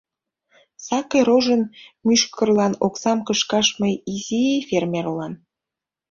Сакый рожын мӱшкырлан оксам кышкаш мый изи-и фермер улам.